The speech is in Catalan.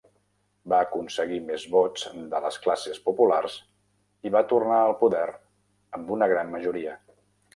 Va aconseguir més vots de les classes populars i va tornar al poder amb una gran majoria.